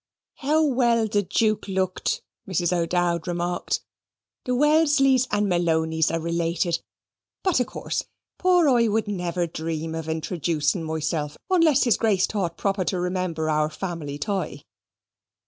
"How well the Juke looked," Mrs. O'Dowd remarked. "The Wellesleys and Malonys are related; but, of course, poor I would never dream of introjuicing myself unless his Grace thought proper to remember our family tie."